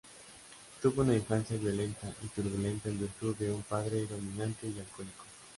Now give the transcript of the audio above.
Tuvo una infancia violenta y turbulenta en virtud de un padre dominante y alcohólico.